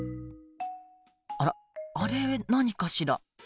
あらあれ何かしら？